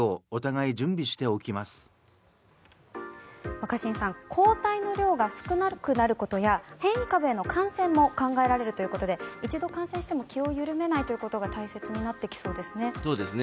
若新さん、抗体の量が少なくなることや変異株への感染も考えられるということで一度感染しても気を緩めないということが大切になってきそうですね。